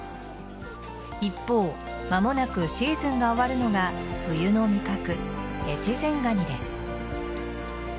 一方間もなくシーズンが終わるのが冬の味覚・越前がにです。